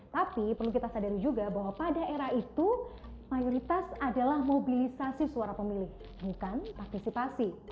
tapi perlu kita sadari juga bahwa pada era itu mayoritas adalah mobilisasi suara pemilih bukan partisipasi